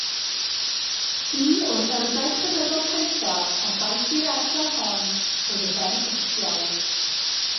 Un o'r urddau crefyddol cyntaf a ddaeth i'r ardal hon oedd y Benedictiaid.